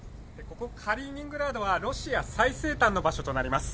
ここ、カリーニングラードはロシア最西端の場所となります。